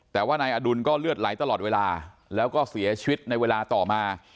แต่ว่านายอดุลก็เลือดไหลตลอดเวลาแล้วก็เสียชีวิตในเวลาต่อมา